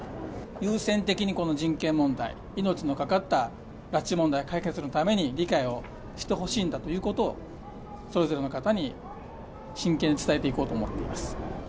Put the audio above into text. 優先的にこの人権問題、命のかかった拉致問題解決のために、理解をしてほしいんだということを、それぞれの方に真剣に伝えていこうと思っています。